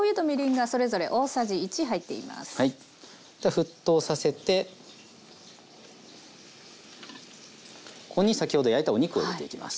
沸騰させてここに先ほど焼いたお肉を入れていきます。